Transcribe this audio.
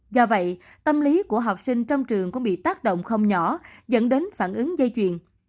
do vậy tâm lý của học sinh trong trường cũng bị tác động không nhỏ dẫn đến phản ứng dây chuyền